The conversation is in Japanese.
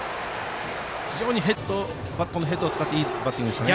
非常にバットのヘッドを使っていいバッティングですね。